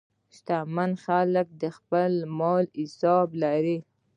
شتمن خلک د خپل مال حساب لري.